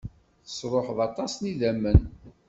Tesruḥeḍ aṭas n yidammen.